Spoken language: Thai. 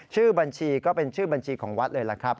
ชื่อบัญชีก็เป็นชื่อบัญชีของวัดเลยล่ะครับ